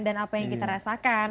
dan apa yang kita rasakan